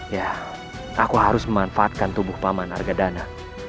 ya aku harus memanfaatkan tubuh paman argadana